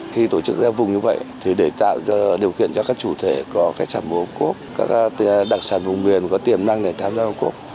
khi tổ chức ra vùng như vậy thì để tạo ra điều kiện cho các chủ thể có các sản phẩm ô cốp các đặc sản vùng miền có tiềm năng để tham gia ô cốp